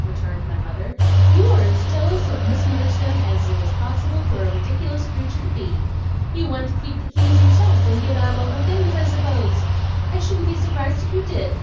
returned my mother. 'You are as jealous of Miss Murdstone as it is possible for a ridiculous creature to be. You want to keep the keys yourself, and give out all the things, I suppose? I shouldn't be surprised if you did.